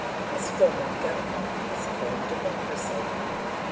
This form of government is called Democracy.